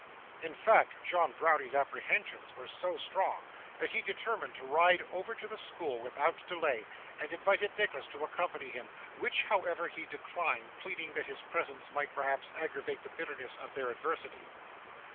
In fact, John Browdie's apprehensions were so strong that he determined to ride over to the school without delay, and invited Nicholas to accompany him, which, however, he declined, pleading that his presence might perhaps aggravate the bitterness of their adversity.